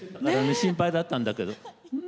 心配だったんだけど。